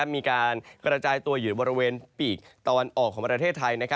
มีการกระจายตัวอยู่บริเวณปีกตะวันออกของประเทศไทย